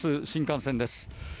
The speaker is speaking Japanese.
新幹線です。